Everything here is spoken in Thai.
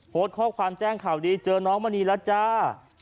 โพสต์ข้อความแจ้งข่าวดีเจอน้องมณีแล้วจ้า